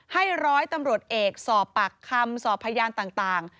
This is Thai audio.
ร้อยตำรวจเอกสอบปากคำสอบพยานต่าง